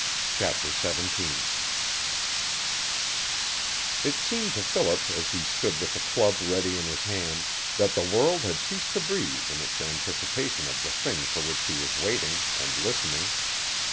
CHAPTER XVII It seemed to Philip, as he stood with the club ready in his hand, that the world had ceased to breathe in its anticipation of the thing for which he was waiting and listening.